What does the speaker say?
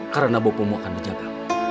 karena bopo mau akan dijaga